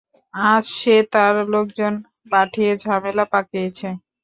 আজ সে তার লোকজন পাঠিয়ে ঝামেলা পাকিয়েছে।